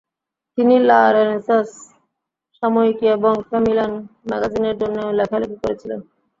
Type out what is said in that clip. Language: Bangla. তিনি লা রেনেসাঁস সাময়িকী এবং ফেমিনাল ম্যাগাজিনের জন্যেও লেখালেখি করেছিলেন।